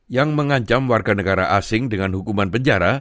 yang mengancam warga negara asing dengan hukuman penjara